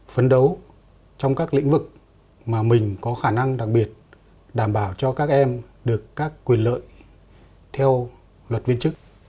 phấn đấu trong các lĩnh vực mà mình có khả năng đặc biệt đảm bảo cho các em được các quyền lợi theo luật viên chức